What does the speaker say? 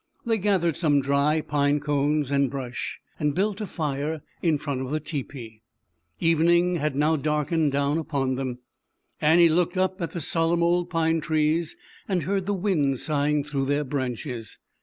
They gathered some dry pine cones and brush and built a fire in front of the tepee. Evening had now darkened down upon them. Annie looked up at the solemn old pine trees, and heard the wind sighing through their branches.